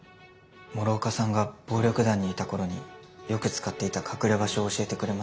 諸岡さんが暴力団にいた頃によく使っていた隠れ場所を教えてくれました。